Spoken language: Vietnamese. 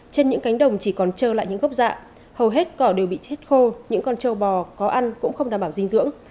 trên những cánh đồng chỉ còn trơ lại những gốc dạ hầu hết cỏ đều bị chết khô những con trâu bò có ăn cũng không đảm bảo dinh dưỡng